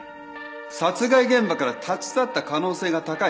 殺害現場から立ち去った可能性が高い